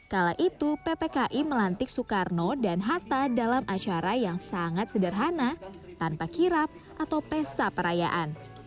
kala itu ppki melantik soekarno dan hatta dalam acara yang sangat sederhana tanpa kirap atau pesta perayaan